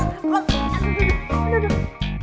aduh duduk duduk